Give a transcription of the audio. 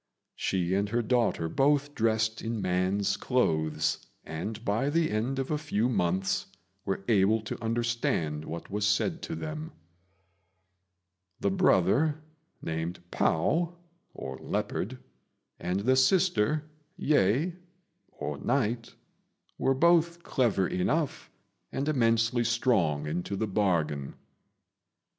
She and her daughter both dressed in man's clothes, and by the end of a few months were able to understand what was said to them. The brother, named Pao [Leopard], and the sister, Yeh [Night], were both clever enough, and immensely strong into the bargain.